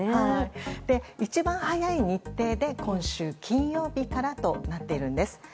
一番早い日程で今週金曜日からとなっているんです。